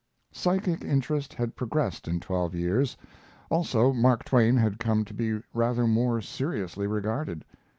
Psychic interest had progressed in twelve years; also Mark Twain had come to be rather more seriously regarded.